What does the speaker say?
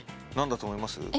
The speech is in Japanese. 何だと思います？